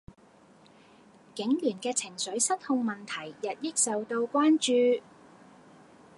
警員既情緒失控問題日益受到關注